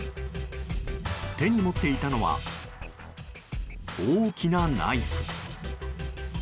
手に持っていたのは大きなナイフ。